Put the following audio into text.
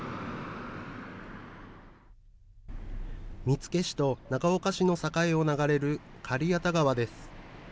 見附市と長岡市の境を流れる刈谷田川です。